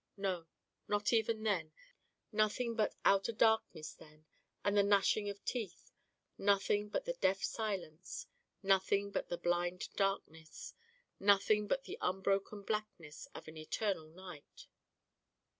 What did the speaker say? No, not even then, nothing but outer darkness then and the gnashing of teeth, nothing but the deaf silence, nothing but the blind darkness, nothing but the unbroken blackness of an eternal night.